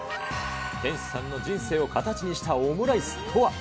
店主さんの人生を形にしたオムライスとは。